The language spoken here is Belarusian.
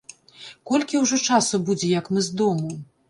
Колькі ўжо часу будзе, як мы з дому?